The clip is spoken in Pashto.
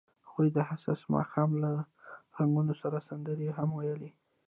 هغوی د حساس ماښام له رنګونو سره سندرې هم ویلې.